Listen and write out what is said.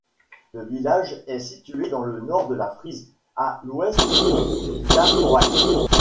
Le village est situé dans le nord de la Frise, à l'ouest de Damwâld.